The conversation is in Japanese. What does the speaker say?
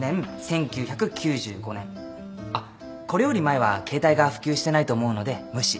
あっこれより前は携帯が普及してないと思うので無視。